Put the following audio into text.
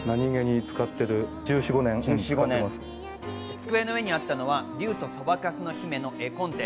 机の上にあったのは、『竜とそばかすの姫』の絵コンテ。